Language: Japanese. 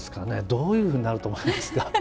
どういうふうになると思いますか。